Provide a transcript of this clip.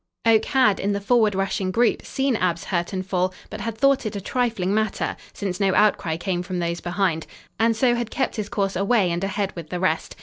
Oak had, in the forward rushing group, seen Ab's hurt and fall, but had thought it a trifling matter, since no outcry came from those behind, and so had kept his course away and ahead with the rest.